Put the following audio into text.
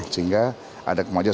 sehingga ada kemanjuan